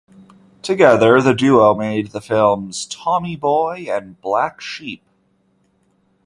Together, the duo made the films "Tommy Boy" and "Black Sheep".